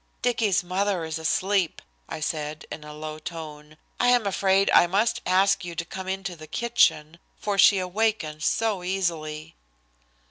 "Dicky's mother is asleep," I said in a low tone. "I am afraid I must ask you to come into the kitchen, for she awakens so easily."